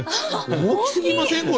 大きすぎませんこれ？